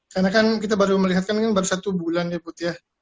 karena kan kita baru melihatkan kan baru satu bulan ya put ya